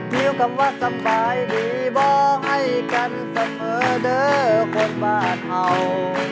มีคำว่าสบายดีบอกให้กันเสมอเด้อคนบ้าเทา